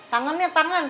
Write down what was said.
tangan ya tangan